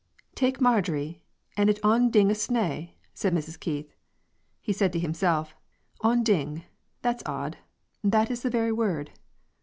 "Tak' Marjorie, and it on ding o' snaw!" said Mrs. Keith. He said to himself, "On ding,' that's odd, that is the very word.